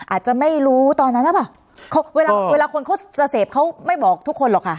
อาจจะไม่รู้ตอนนั้นหรือเปล่าเวลาเวลาคนเขาจะเสพเขาไม่บอกทุกคนหรอกค่ะ